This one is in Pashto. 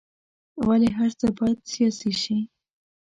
ولې هر څه باید سیاسي شي.